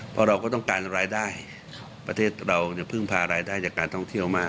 เพราะเราก็ต้องการรายได้ประเทศเราเนี่ยพึ่งพารายได้จากการท่องเที่ยวมาก